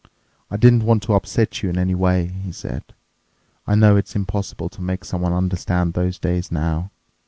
"I didn't want to upset you in any way," he said. "I know it is impossible to make someone understand those days now.